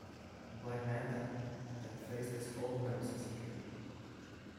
Black Manta then faced his old nemesis again.